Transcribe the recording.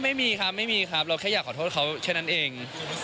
ไม่มีครับไม่มีครับเราแค่อยากขอโทษเขาแค่นั้นเอง